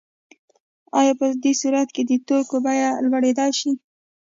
آیا په دې صورت کې د توکي بیه لوړیدای شي؟